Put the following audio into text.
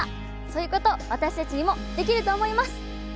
そういうこと私たちにもできると思います！